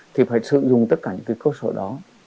thì phải sử dụng tất cả những cái cơ sở đó